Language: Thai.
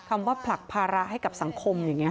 คำว่าผลักภาระให้กับสังคม